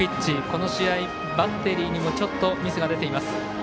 この試合バッテリーにもちょっとミスが出ています。